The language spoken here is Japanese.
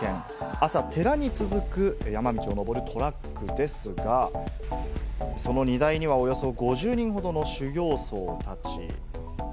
朝、寺に続く山道を登るトラックですが、その荷台にはおよそ５０人ほどの修行僧たち。